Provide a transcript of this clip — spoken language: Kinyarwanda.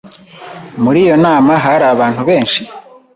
Muri iyo nama hari abantu benshi?